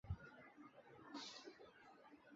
英雄时机之轮大致分为单人轮和多人轮。